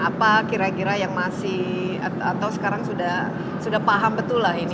apa kira kira yang masih atau sekarang sudah paham betul lah ini